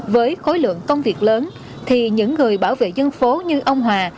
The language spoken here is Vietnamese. với khối lượng công việc lớn thì những người bảo vệ dân phố như ông hòa